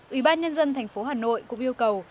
ủy ban nhân dân tp hà nội cũng yêu cầu